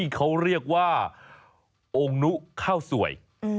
เขาเรียกว่าองค์นุข้าวสวย